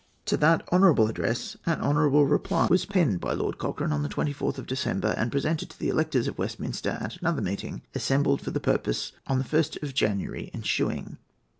To that honourable address an honourable reply was penned by Lord Cochrane on the 24th of December, and presented to the electors of Westminster at another meeting assembled for the purpose on the 1st of January ensuing.